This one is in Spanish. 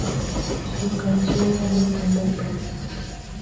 Su canción ganó el primer premio.